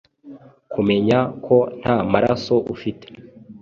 kumenya ko nta maraso ufite